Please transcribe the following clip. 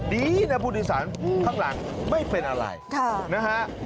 ดีนะผู้โดยสารข้างหลังไม่เป็นอะไรนะฮะ